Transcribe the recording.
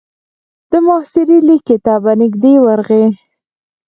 د محاصرې ليکې ته به نږدې ورغی.